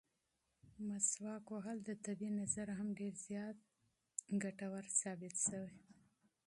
مسواک وهل د طبي نظره هم ډېر زیات ثابت شوي دي.